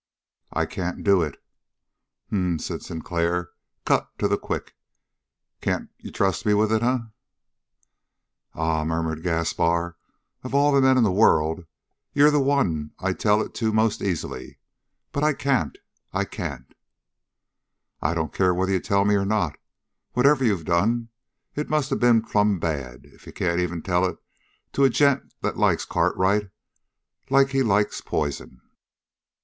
"I can't do it." "H'm," said Sinclair, cut to the quick. "Can't you trust me with it, eh?" "Ah," murmured Gaspar, "of all the men in the world, you're the one I'd tell it to most easily. But I can't I can't." "I don't care whether you tell me or not. Whatever you done, it must have been plumb bad if you can't even tell it to a gent that likes Cartwright like he likes poison."